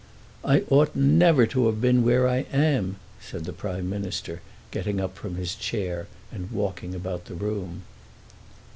"I ought never to have been where I am," said the Prime Minister, getting up from his chair and walking about the room.